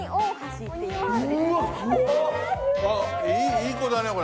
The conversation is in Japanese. いい子だねこれ。